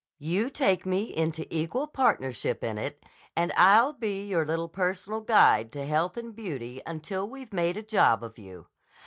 You take me into equal partnership in it, and I'll be your little personal Guide to Health and Beauty until we've made a job of you.